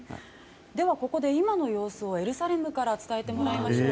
ここで今の様子をエルサレムから伝えてもらいましょう。